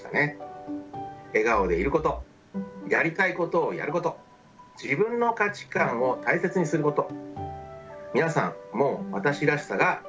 「笑顔でいること」「やりたいことをやること」「自分の価値観を大切にすること」。